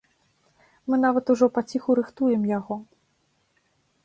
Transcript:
Мы нават ужо паціху рыхтуем яго.